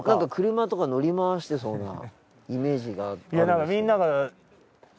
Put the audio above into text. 車とか乗り回してそうなイメージがあるんですけど。